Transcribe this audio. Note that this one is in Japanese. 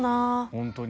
本当に。